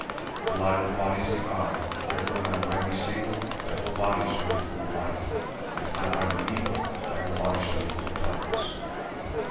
40:006:022 The light of the body is the eye: if therefore thine eye be single, thy whole body shall be full of light. 40:006:023 But if thine eye be evil, thy whole body shall be full of darkness.